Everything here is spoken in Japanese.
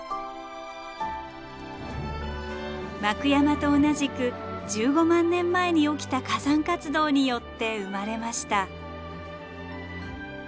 幕山と同じく１５万年前に起きた火山活動によって生まれました。